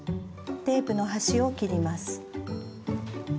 テープの端を切ります。